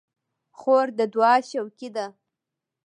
خور د دعا شوقي ده.